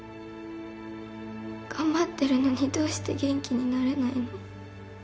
頑張ってるのにどうして元気になれないの？